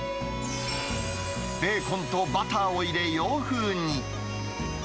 ベーコンとバターを入れ、洋風に。